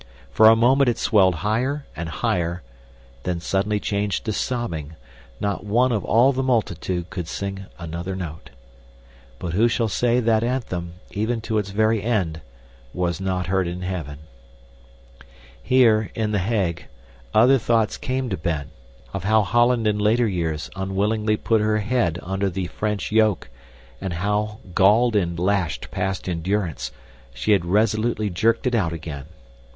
For a moment it swelled higher and higher, then suddenly changed to sobbing not one of all the multitude could sing another note. But who shall say that anthem, even to its very end, was not heard in heaven! Here, in The Hague, other thoughts came to Ben of how Holland in later years unwillingly put her head under the French yoke, and how, galled and lashed past endurance, she had resolutely jerked it out again.